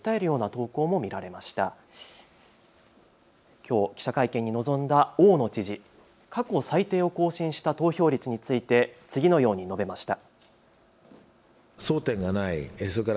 きょう記者会見に臨んだ大野知事、過去最低を更新した投票率について次のように述べました。